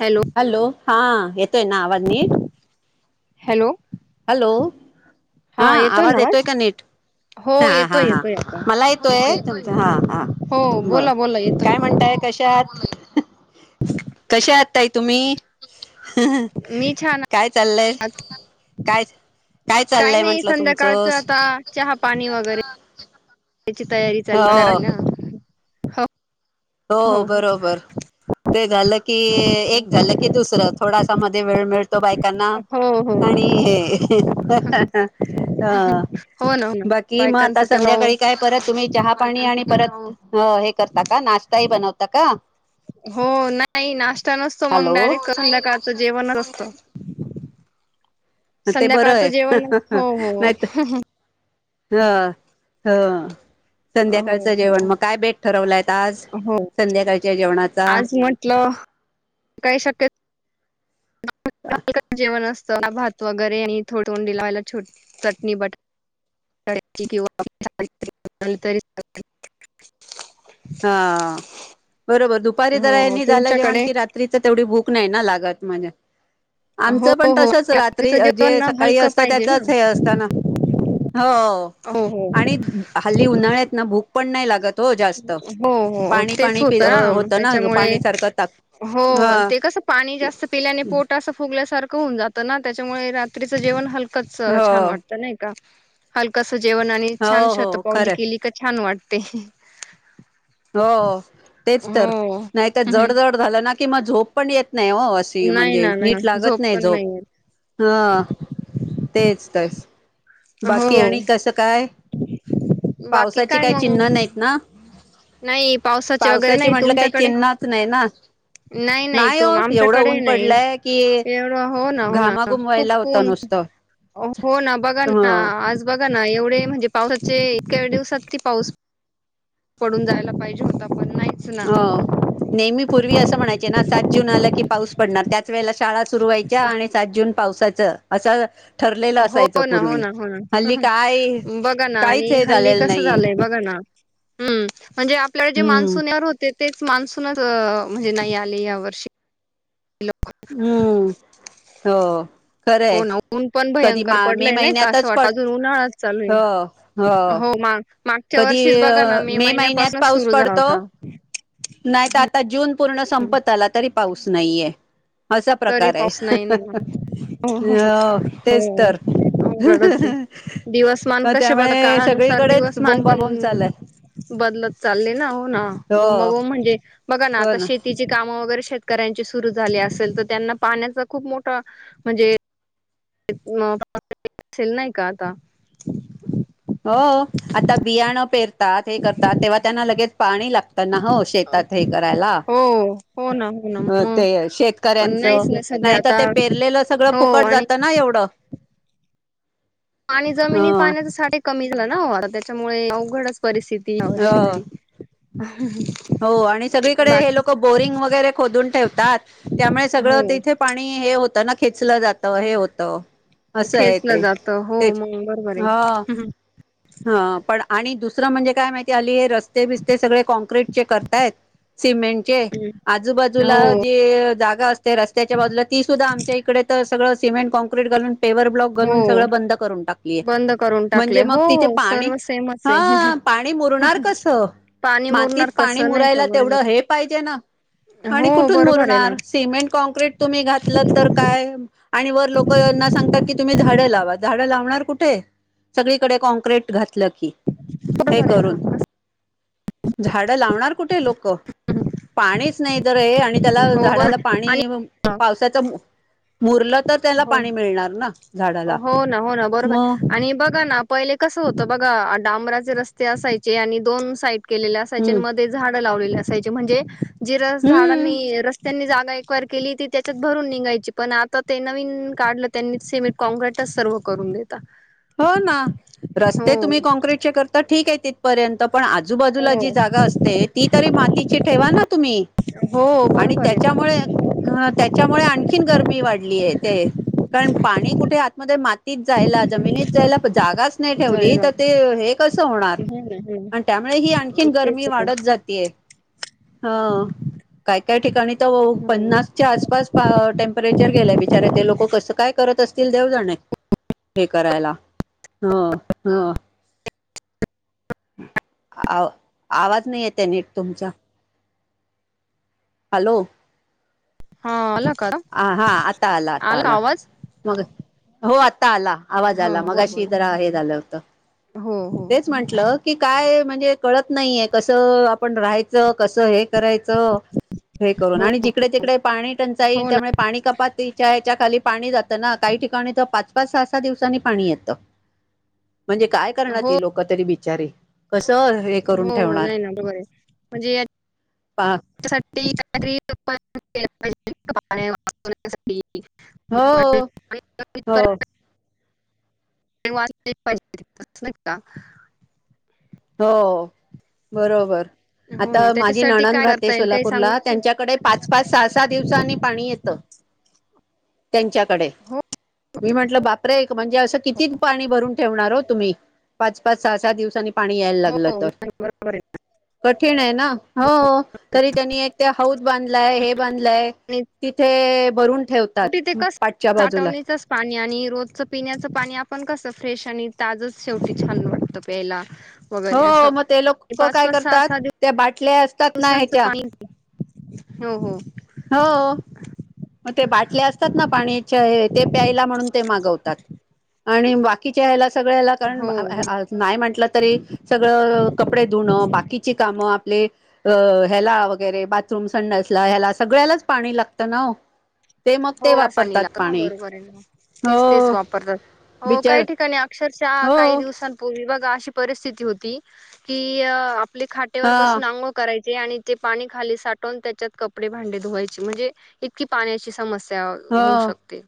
Hello. हा येतोय ना आवाज नीट. हॅलो. हॅलो हा आवाज येतोय का नीट. हो हा येतोय हा हा येतोय मला येतोय आता तुमचा हो बर बोला बोला येतोय काय मला म्हणताय कशा आहात. कशा आहात ताई तुम्ही मी छान काय चाललंय. काय काय काही चाललंय नाही म्हंटलं संध्याकाळच तुमचं. आता चहा पाणी वगैरे तयारी चाली हो हो. हो बरोबर. ते झालं की हो एक झालं की दुसरं थोडसा मध्ये वेळ मिळतो. त्याना हो हो आणि हे हो ना हो ना बाकी मग आता बायकांचं तेवढा संध्याकाळी काय परत तुम्ही चहा पाणी आणि परत हे करता का? नाश्ता ही बनवता का? हो नाही नाश्ता नसतो मग हॅलो डायरेक्ट संध्याकाळचं जेवणच असत. ते बरं आहे हो हो नाहीतर हा. हा. हो संध्याकाळचं जेवण हो मग काय बेत ठरवलंय आज हो संध्याकाळच्या जेवणाचा काय शक्यता. झालं जेवण आज तेवढं भात वगैरे आणि तोंडी लावायला छोट चटणी बटाटा. भाजी किंवा हा. बरोबर दुपारी जरा हो हे हो नि झाला जेवण तुमच्याकडे की. रात्री तर तेवढी भूक नाही ना लागत. मला. हो आमचं पण हो तसच. रात्री रात्रीचं जेवण जे ना सकाळी हलकं असतं पाहिजे ना त्याचच हे असत ना. हो हो हो आणि हल्ली उन्हाळ्यात ना. भूक पण नाही लागत हो जास्त. हो. हो. पाणी तेच पाणी पि होतं ना मग त्याच्यामुळे. पाणी सारखं ताक हा हो ते कसं पाणी जास्त पिल्याने पोट असं फूग फुगल्यासारख होऊन जातं ना. त्यांच्यामुळे रात्रीच जेवण हलकचं छान हो वाटत नाही का. जेवण आणि छान हो हो शतपावली खरं केली की छान वाटते. हो तेच तर. हो नाही तर हम्म. जड-जड झालं ना कि मग झोप पण येत नाही ओ. अशी नाही म्हणजे ना नाही नीट ना लागत नाही पण झोप येत. ह. तेच तर. बाकी हो आणि कसं काय. बाकी पावसाची काय चिन्ह नाही मग नाहीत ना. नाही पावसाचे वगैरे पावसाची नाही म्हटलं काही तुमच्याकडे. चिन्हच नाही ना नाही-नाही. नाही तू हो एवढं आमच्याकडे ऊन नाही पडलंय की एवढं हो ना. हो ना. घामाघुम व्हायला खूप होता ऊन. नुसतं हो ना. बघा हो ना. आज बघा ना. एवढे म्हणजे पावसाच चे इतके दिवसात. ती पाऊस पडून जायला पाहिजे होता पण नाहीच. ना हो नेहमी पूर्वी अस म्हणायचे ना. सात जून आला की पाऊस पडणार. त्याच वेळेला शाळा सुरू व्हायच्या. आणि सात जून पावसाचा अस. हो ना. हो ना. हो ना. काय बघा ना. काहीच आणि हे हल्ली झालेलं कसं नाहीये झालंय बघा ना. हम्म. म्हणजे आपल्याला जे हम्म मान्सून येणारे होते. तेच मान्सून च म्हणजे नाही आले या वर्षी. हम्म. हो. हो खरंय ना ऊन पण कधी भयंकर मा मे पडलय नाही का असं महिन्यातच वाटत. पड अजून उन्हाळाच चालू आहे. हो हो. मागच्या कधी वर्षीच बघा ना. अ, मे महिन्यात महिन्यापासूनच पाऊस सुरू झाला पडतो होता. नाही तर आता जून पूर्ण संपत आला. तरी पाऊस नाहीय. अशा तरी प्रकार आहे. पाऊस नाही अ निघाला. हो तेच हो तर. अवघडच आहे. दिवसमान मग कसे बघा त्यामुळे काळानुसार सगळीकडेच दिवसमान बॉमबाबोम्ब चालू हाय. पण बदलत चालय ना. हो ना. बोंबाबोंब म्हणजे बघा ना आता शेतीची काम वगैरे शेतकऱ्यांची सुरू झाली असेल तर त्यांना पाण्याचा खूप मोठा. म्हणजे मोठा प्रॉब्लेम येत असेल नाही का आता. हो आता बियाणं पेरतात. हे करतात. तेव्हा त्यांना लगेच पाणी लागते. तेना हो शेतात. हे करायला हो हो ना हो ना मग ते पण शेतकऱ्यांचं नाहीच ना सध्या नाही त आता ते पेरलेलं सगळं हो फुकट आणि जात ना एवढं. आणि ह जमिनी पाण्याचा साठे कमी झालाय ना वर त्याच्यामुळे अवघडच. परिस्थिती या वर्षी ह तरी. हो आणि सगळीकडे हे बाकी लोक बोरिंग वगैरे खोदून ठेवतात. त्यामुळे सगळं हो तिथे पाणी. हे होतं ना. खेचलं जात. हे होत. खेचलं जात. हो मग बरोबर ह आहे. हा पण आणि दुसरं म्हणजे काय माहिती. हल्ली हे रस्ते-बिस्ते सगळे काँक्रेट करतायत. सिमेंटचे आहे आजूबाजूला हो जे जा जागा असते. रसत्यायाच्या बाजूला. ती सुद्धा आमच्या इकडे तर सगळं समेंटॉँक्रीट घालून पेवर ब्लॉक हो घालून सग बंद करून टाकली ये. बंद करून म्हणजे टाकले मग. हो येथे हो पाणी. सर्व सेमच आहे हा. पाणी मुरणार कस. पाणी मातीत मुरणार पाणी कसं नाही का मुरायला तेवढ बरोबर हे पाहिजे ना. आणि हो कुठून बरोबर आहे ना मुरणार. सिमेंट कॉँक्रीट तुम्ही घातल तर काय. आणि वर लोकांना सांगतात. की तुम्ही झाडं लावा. झाडं लावणार कुठे. सगळीकडे काँक्रेट करेक्ट घातलं की. हे बरोबर आहे ना करून. झाड लावणार कुठे लोक पाणीच नाही तर हे. आहे आणि त्याला हो झाडाला बरो आणि पाणी पावसाचं मुरलं तर त्याला हो पाणी मिळणार ना झाडाला हो ना हो ना मग बरोबर आणि बघ ना पहिले कसं होतं बघा डांबराचे रस्ते असायचे आणि दोन साईड केलेले असायचे हम्म आणि मध्ये झाड पन झाड़े ला अस म्हण ज झाडां हम्म रस्त एक केली त त्याच्यात भरून निघायची पण आता ते नवीन काढलं त्यांनीम सेपरेट काँग्रेरटच सर्व करून देत हो ना रस्ते हो तुम्ही काँक्रीटचे करता ठीक आहे तिथपर्यंत पण आजू बाजूला हो जी जागा असते ती तरी मातीची ठेवा ना तुम्ही हो आणि बरोबर आहे त्याच्या मुळे ना त्याच्यामुळे आणखीन गरमी वाढली पण पाणी कुठे आतमध्ये मातीय त्यालाच जागाच नाही जाय ठेवली जाय. तर ते हे कसं होणार हो ना, हो अन त्यामुळे ही आणखी ना. तेच गरमी तर. वाढत जातेय ह काय काय ठिकाणी आणि तो हो. पन्नासच्या आसपास टेम्परेचर गेलाय बिचारे ते लोक कसं काय करत असत ते देवजने हे करायला ह ह आ आवाज नाही येत आहे नीट तुमचा हॅलो है ह हा आता आला आता आला मग त हो आता का आला आवाज हो आला मग बोला अशी बोला जरा हे झालं होत हो हो तेच म्हंटलं की काय म्हणजे कळत नाहीय कसं आपण राहायचं कसं हे करायचं हे करून हो आणि जिकडे तिकडे पाणी टंचाई हो ना त्यामुळे पाणी कपातीच्या त्याच्या खाली पाणी जातं ना काही ठिकाणी तर पाच पाच सहा सहा दिवसांनी पाणी येतं म्हणजे काय हो करणारी लोक तरी बिचारी कसं हे करून हो हो ठेवणार नाही ना बरोबर आहे म्हणजे पा [unintelligible] हो पाणी कमीत हो कमी पाहिजे न का हो बरोबर हो आता ना माझी त्याच्यासाठी नाणंद काय राहते करता येईल काही सांगू सोलापूरला शकशील? त्यांच्याकडे पाच पाच सहा सहा दिवसांनी पाणी येतं [unintelligible] त्यांच्याकडे हो मी म्हंटलं बापरे म्हणजे असं किती पाणी भरून ठेवणार हो तुम्ही पाच पाच सहा सहा दिवसांनी पाणी यायला लागलं हो तर नाही बरोबर आहे कठीण आहे ना हो तरी त्यांनी एक त्या हाऊद बांधलाय हे बांधलंय तिथे भरून ठेवतात तिथे कस पाठच्या बाजूला साठवणीचच पाणी आणि रोज पिण्याचं पाणी आपण कसं फ्रेश आणि ताजच शेवटी छान वाटतं प्यायला वगैरे हो असं मग ते लोक पाच काय पाच स करतात असव त्या बाटल्या असतात ना सांच ह्याच्या पा हो हो हो मग ते बाटले असतात ना पाणीच्या ते प्यायला म्हणून ते मागवतात आणि बाकीच्या ह्याला सगळ्याला कारण हो नाही म्हटलं तरी सगळं कपडे धुणं बाकीची कामं आपले अ ह्याला वगैरे बाथरूम संडसला ह्याला सगळ्यालाच पाणी लागतं ना ते मग हो ते वापरतात पाणी बरोबर आहे तेच तेच हो वापरतात हो बिचार काही ठिकाणी अक्षश हा काही हो दिवसांपूर्वी बघ अ परिस्थिती होती की आपली खाटेवर हा बसून अंगो कराय आणि ते पाणी खाली साठवून त्याच्यात कपडे भांडे धुवायचे म्हणजे इतकी पाण्याची समस्या त्या होऊ हो शकते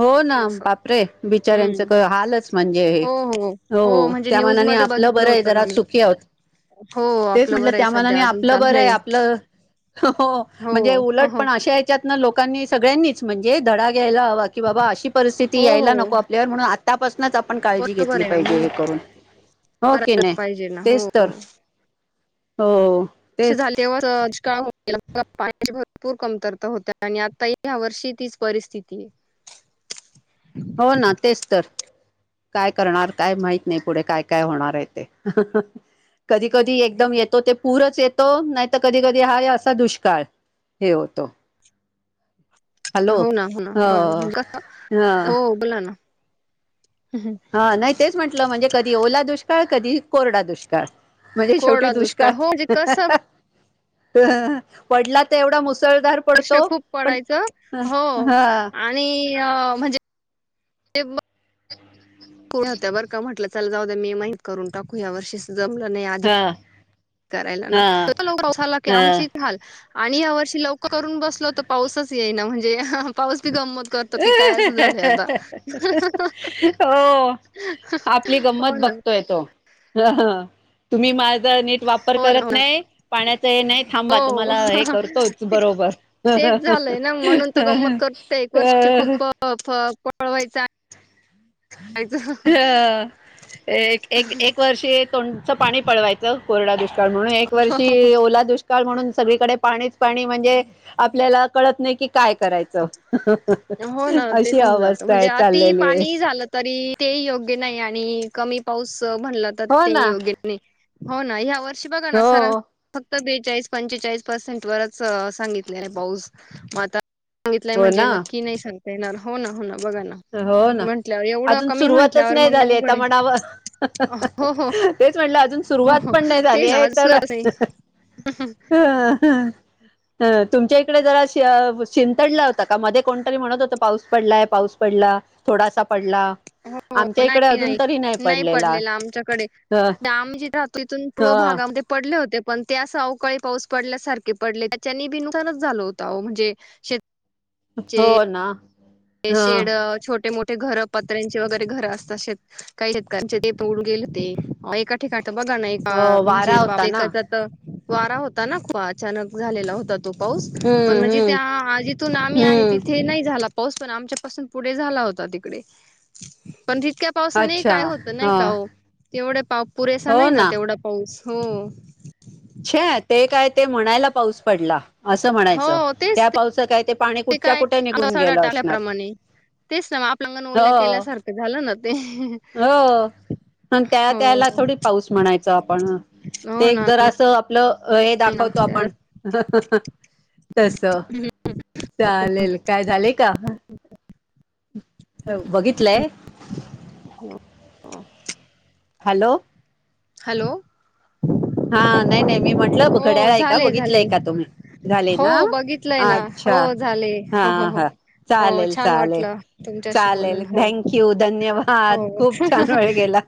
हो ना असं बापरे हम्म बिचाऱ्यांचं हालच म्हणजे हो हो म्हणजे त्या न्यूज मना मध्ये आपलं बघितलं बरं आहे होतं ना जरा मी सुखी आहोत हो तेच आपलं म्हटलं बरं आहे त्या सध्या मनाने अजून आपलं बरं चाललंय आहे आपलं हो म्हणजे हो उलट हो पण अशा ह्याच्यात न लोकांनी सगळ्यांनीच म्हणजे धडा घ्यायला हवा की बाबा अशी परिस्थिती हो यायला हो नको आपल्यावर म्हणून आता पासु नच आपण काळजी बरोबर घेतली आहे ना पाहिजे मग हे करून हो की करायलाच नाही पाहिजे ना हो तेच तर हो. श तेच झाले तेव्हा का [unintelligible] पाण्याची भरपूर कमतरता होते आणि आता ह्या वर्षी तीच परिस्थिती हो ना तेच तर काय करणार काय माहित नाही पुढे काय काय होणार आहे ते कधी कधी एकदम येतो ते पूरच येतो नाही तर कधी कधी हाय असा दुष्काळ हे होतो. हॅलो हो ना हो ना बरं म्हणजे कसं हा हो बला ना. हा नाही तेच म्हंटलं म्हणजे कधी ओला दुष्काळ कधी कोरडा दुष्काळ. म्हणजे शेवटी कोरडा दुष्काळ हो म्हणजे कसं पडला तर एवढा मुस वर्षा खूप पडायचं हा हो हा आणि ते आ म्हणजे ते [inaudible] होत्या बर का म्हटलं चल जाऊ द्या मी करायला ना हा [inaudible] लवकर पाऊस आला की हा आमचीच हाल आणि या वर्षी ल करून बसलो तर पाऊसच येई ना म्हणजे पाऊस बी गंमत करतो की काय असं झालंय आता हो. आपली गंमत हो ना बघतोय तो तुम्ही मा झा नीट वापर हो ना हो करत ना नाही पाण्याचा हे नाही थांबा हो तुम्हाला हे करतोच ते- बरोबर. तेच झालंय ना म्हणून तर गंमत करतोय एक वर्षी खूप पळवायचं आणायचं [inaudible] हा एक एक एक वर्षी तोंडच पाणी पळवायचं कोरडा दुष्काळ म्हणून एक वर्षी ओला दुष्काळ म्हणून सगळीकडे पाणीच पाणी म्हणजे आपल्याला कळत नाही की काय करायचं अशी अवस्था ती चाललेली आहे पाणी झालं तरी ते योग्य नाही आणि कमी पाऊस त म्हणलं तर हो ते ना योग्य ने हो ना या वर्षी बघा ना सरान हो फ क्त बेचाळीस, पंचेचाळीस पर्सेंट वरच सांगितले आहे पाऊस म आता सांगितलंय हो म्हणजे ना नक्की नाही सांगता येणार हो ना हो ना बघा ना. हो ना म्हंटल्यावर एवढं अजून कमी सुरुवातच म्हंटल्यावर नाही मग झाली आहे ते अवघड म्हणावं हो हो तेच म्हट हो सुरुवात हो पण नाही ते झाली ना आहे माझं तर सुधारत नाही तुमच्या इकडे जरा शि शिंतडला होता का मध्ये कोणतरी म्हणत होत पाऊस पडलाय पाऊस पडला थोडासा पडला. हो आमच्या इकडे नाही अजून नाही तरी नाही पडलेला आमच्याकडे ह आम्ही जिथं राहतो इथून पूर्व ह भागामध्ये पडले होते पण ते असं अवकाळी पाऊस पडल्यासारखे पडले त्याच्यानी बी नुकसानच झालं होत म्हणजे शे हो ना. ते ह शेड छोटे मोठे घरं पत्र्यांचे वगैरे घर असतं शेत काही शेतकऱ्यांचे ते पन ऊडून गेले होते एका ठिकाणी तर बघा ना एका हो म्हणजे वारा बा होता ना एकाचा तर वारा होता ना तो पाऊस पण हम्म म्हणजे हम्म त्या जिथून आम्ही आहे हम्म तिथे नाही झाला पाऊस पण आमच्या पाासून पुढे झाला होता तिकडे पण तितक्या पावसाने अच्छा काय होतं ह नाही का हो तेवढे पा पुरेसा नाही ना तेवढा पाऊस. हो. छे ते काय ते म्हणायला पाऊस पडला असं म्हणायचं हो तेच त्या पावसा काय ते पाणी कुठच्या काय कुठे निघून सडा गेलं अशणार. टाकल्याप्रमाणे तेच ना मग आपल्यांगण ओल्या केल्यासारखं झालं ना ते. ह त्या हो त्याला थोडी पाऊस म्हणायचो आपण. ते हो एक ना जर असं आपलं. अ हे नाही ना दाखवतो त्या आपण तस. चालेल काय झालेय का. बघितलंय. [inaudible] हॅलो. हॅलो. [unintelligible] हा नाही-नाही मी म्हटलं घड्याळ हो आहे का. झाले बघितलं आहे झाले का तुम्ही झाले ना हो बघितलंय ना हो अच्छा. झाले हा. हो हो हो हा हो छान वाटलं तुमच्याशी चालेल-चालेल-चालेल बोलून हो थँक यू धन्यवाद. हा हो खूप छान वेळ गेला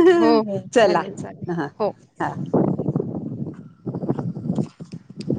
हो हो चला चालेल चालेल ह. हो हा. [inaudible]